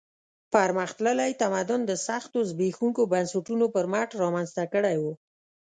پرمختللی تمدن د سختو زبېښونکو بنسټونو پر مټ رامنځته کړی و.